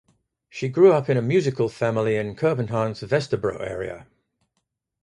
She grew up in a musical family in Copenhagen's Vesterbro area.